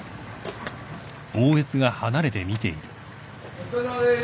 お疲れさまです。